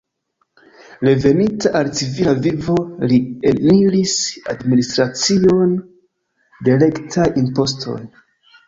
Reveninta al civila vivo, li eniris administracion de rektaj impostoj.